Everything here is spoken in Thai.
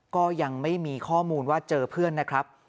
ก็ยังไม่มีข้อมูลว่าเจอเพื่อนนะครับ